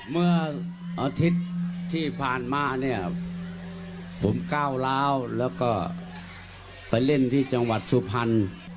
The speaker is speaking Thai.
เมื่ออาทิตย์ที่ผ่านมาเนี่ยผมก้าวร้าวแล้วก็ไปเล่นที่จังหวัดสุพรรณ